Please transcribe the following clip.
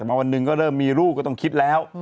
มาวันหนึ่งก็เริ่มมีลูกก็ต้องคิดแล้ว